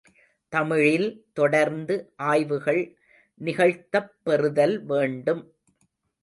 தமிழில் தொடர்ந்து ஆய்வுகள் நிகழ்த்தப் பெறுதல் வேண்டும்.